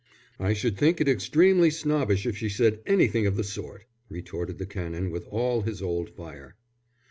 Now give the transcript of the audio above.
'" "I should think it extremely snobbish if she said anything of the sort," retorted the Canon, with all his old fire.